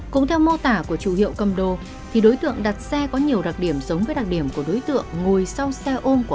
cũng theo mô tả của chủ hiệu cầm đồ thì đối tượng đặt xe có nhiều đặc điểm giống với đặc điểm của đối tượng ngồi sau xe ôm của ông quảng tại bến xe giáp bát